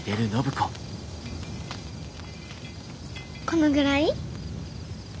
このぐらい？